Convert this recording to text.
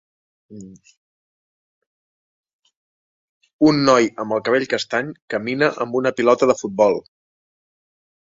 Un noi amb el cabell castany camina amb una pilota de futbol.